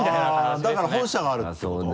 だから本社があるっていうこと？